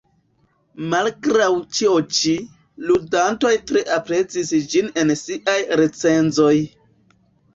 Malgraŭ ĉio ĉi, ludantoj tre aprezis ĝin en siaj recenzoj.